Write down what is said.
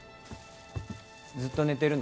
ずっと寝てるの？